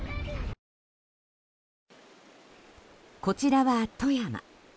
こちらは富山。